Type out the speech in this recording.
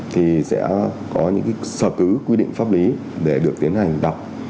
thì sẽ có những sở cứ quy định pháp lý để được tiến hành đọc